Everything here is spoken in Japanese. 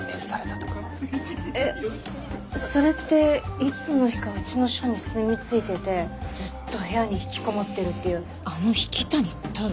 えっそれっていつの日かうちの署に住み着いててずっと部屋にひきこもってるっていうあの引谷太郎？